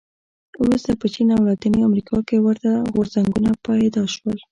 وروسته په چین او لاتینې امریکا کې ورته غورځنګونه پیدا شول.